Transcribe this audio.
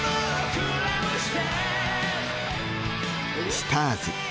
「ＳＴＡＲＳ」。